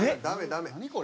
ダメダメ。